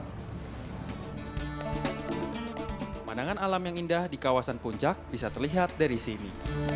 pemandangan alam yang indah di kawasan puncak bisa terlihat dari sini